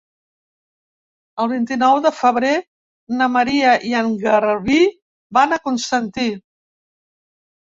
El vint-i-nou de febrer na Maria i en Garbí van a Constantí.